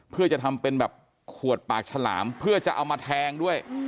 เพื่อจะทำเป็นแบบขวดปากฉลามเพื่อจะเอามาแทงด้วย